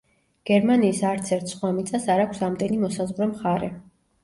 გერმანიის არცერთ სხვა მიწას არ აქვს ამდენი მოსაზღვრე მხარე.